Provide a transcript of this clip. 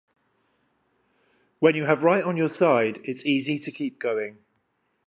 When you have right on your side, it's easy to keep going.